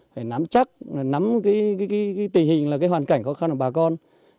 phải nắm chắc nắm tình hình hoàn cảnh khó khăn của bà con